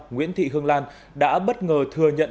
nguyễn thị hương lan đã bất ngờ thừa nhận